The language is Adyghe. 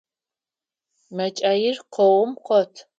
Мэкӏаир къогъум къот.